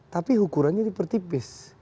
tapi ukurannya dipertipis